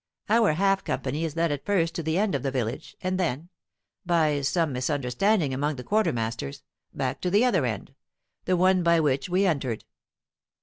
Our half company is led at first to the end of the village, and then by some misunderstanding among the quartermasters back to the other end, the one by which we entered.